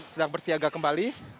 sedang bersiaga kembali